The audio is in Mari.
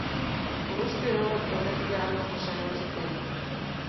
Руш тӧралан Элнет йыраҥым Пашай ончыктен.